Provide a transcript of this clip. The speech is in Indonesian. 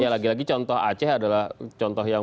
ya lagi lagi contoh aceh adalah contoh yang